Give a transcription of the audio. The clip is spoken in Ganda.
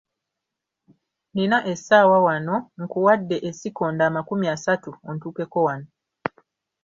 Nnina essaawa wano; nkuwadde essikonda amakumi asatu ontuukeko wano.